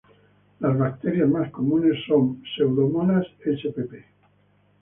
Las bacterias más comunes son "Pseudomonas Spp.